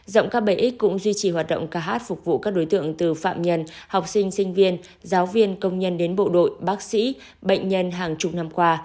rộng ca bảy x cũng duy trì hoạt động ca hát phục vụ các đối tượng từ phạm nhân học sinh sinh viên giáo viên công nhân đến bộ đội bác sĩ bệnh nhân hàng chục năm qua